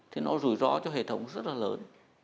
thì nó rủi ro cho hệ thống rất là lớn